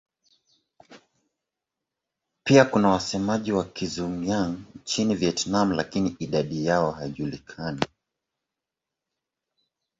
Pia kuna wasemaji wa Kizhuang-Yang nchini Vietnam lakini idadi yao haijulikani.